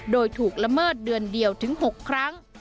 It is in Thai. โดยถูกละเมิดเดือนเดียวถึง๖ครั้ง